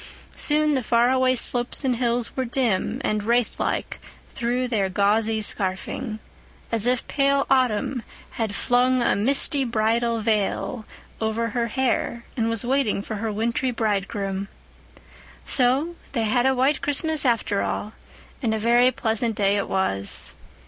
Soon the far away slopes and hills were dim and wraith like through their gauzy scarfing, as if pale autumn had flung a misty bridal veil over her hair and was waiting for her wintry bridegroom. So they had a white Christmas after all, and a very pleasant day it was.